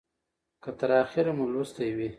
که تر اخیره مو لوستې وي